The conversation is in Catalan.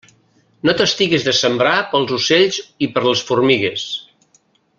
No t'estiguis de sembrar pels ocells i per les formigues.